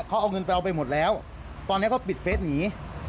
เขาเอาเงินไปเอาไปหมดแล้วตอนนี้เขาปิดเฟสหนี